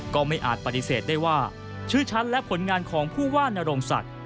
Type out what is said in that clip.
ก็ไม่อาจปฏิเสธได้ว่าชื่อฉันและผลงานของผู้ว่านโรงศักดิ์